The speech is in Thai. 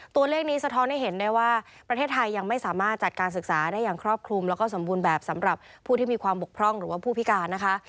ตัวเลขนี้สะท้อนให้เห็นได้ว่าประเทศไทยยังไม่สามารถจัดการศึกษาได้อย่างครอบคลุมแล้วก็สมบูรณ์แบบสำหรับผู้ที่มีความบกพร่องหรือว่าผู้พิการนะคะ